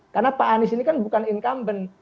karena pak anies ini kan bukan incumbent